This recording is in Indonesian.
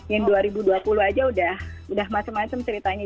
yang dua ribu dua puluh aja udah macem macem ceritanya